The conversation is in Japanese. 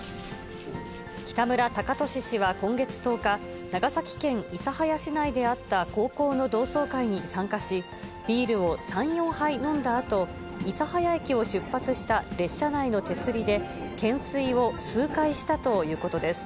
北村貴寿氏は今月１０日、長崎県諌早市内であった高校の同窓会に参加し、ビールを３、４杯飲んだあと、諌早駅を出発した列車内の手すりで、懸垂を数回したということです。